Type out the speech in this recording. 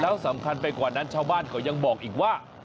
แล้วสำคัญไปกว่านั้นชาวบ้านเขายังบอกอีกว่า